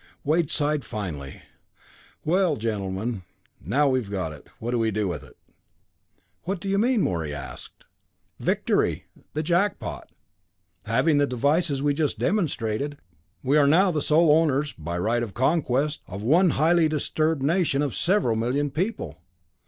Wade sighed finally. "Well, gentlemen, now we've got it, what do we do with it?" "What do you mean?" Morey asked. "Victory. The Jack pot. Having the devices we just demonstrated, we are now the sole owners, by right of conquest, of one highly disturbed nation of several million people.